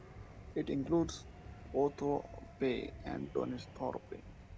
It includes Oakthorpe and Donisthorpe.